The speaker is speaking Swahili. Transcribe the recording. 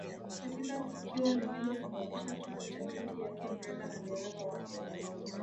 Katika tukio lililosababisha kifo cha binti yake Brenda na dereva wake